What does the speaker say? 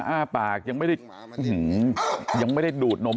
อ้าปากยังไม่ได้ยังไม่ได้ดูดนม